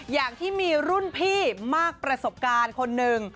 อย่างที่มีรุ่นพี่มากประสบการณ์คนหนึ่ง